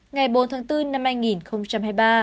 ngày bốn tháng bốn năm hai nghìn hai mươi ba